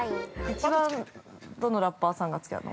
◆一番どのラッパーさんが好きなの？